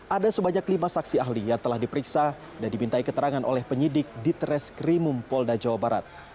ada sebanyak lima saksi ahli yang telah diperiksa dan dimintai keterangan oleh penyidik di treskrimum polda jawa barat